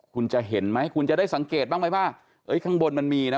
คุณจะเห็นไหมคุณจะได้สังเกตบ้างไหมว่าข้างบนมันมีนะ